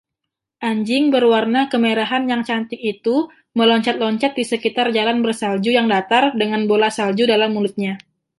Anjing berwarna kemerahan yang cantik itu meloncat-loncat di sekitar jalan bersalju yang datar dengan bola salju dalam mulutnya.